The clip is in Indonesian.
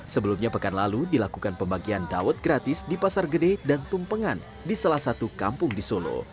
sebelumnya pekan lalu dilakukan pembagian dawet gratis di pasar gede dan tumpengan di salah satu kampung di solo